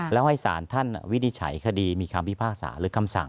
แล้วให้สารท่านวินิจฉัยคดีมีคำพิพากษาหรือคำสั่ง